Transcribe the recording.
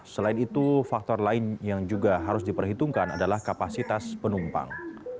selain itu faktor lain yang juga harus diperhitungkan adalah kapasitas penumpang